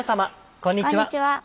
こんにちは。